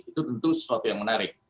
itu tentu sesuatu yang menarik